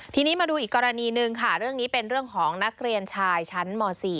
ทีนี้มาดูอีกกรณีหนึ่งค่ะเรื่องนี้เป็นเรื่องของนักเรียนชายชั้นม๔